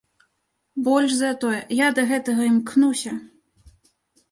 Больш за тое, я да гэтага імкнуся!